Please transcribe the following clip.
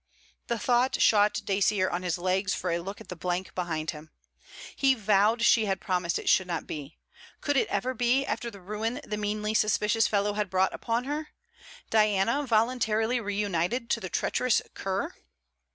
The thought shot Dacier on his legs for a look at the blank behind him. He vowed she had promised it should not be. Could it ever be, after the ruin the meanly suspicious fellow had brought upon her? Diana voluntarily reunited to the treacherous cur?